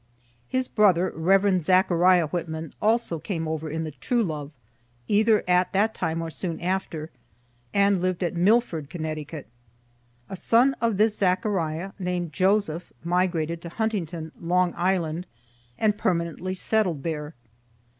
His brother, Rev. Zechariah Whitman, also came over in the "True Love," either at that time or soon after, and lived at Milford, Conn. A son of this Zechariah, named Joseph, migrated to Huntington, Long Island, and permanently settled there.